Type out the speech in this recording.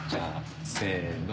せの。